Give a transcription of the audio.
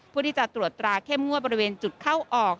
เพื่อที่จะตรวจตราเข้มงวดบริเวณจุดเข้าออก